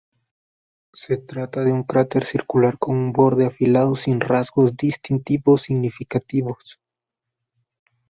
Se trata de un cráter circular con un borde afilado sin rasgos distintivos significativos.